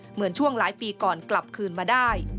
เหมือนช่วงหลายปีก่อนกลับคืนมาได้